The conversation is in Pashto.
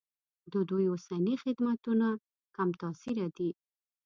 د دوی اوسني خدمتونه کم تاثیره دي.